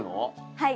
はい。